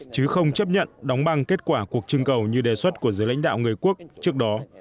chứ không chấp nhận đóng băng kết quả cuộc trưng cầu như đề xuất của giới lãnh đạo người quốc trước đó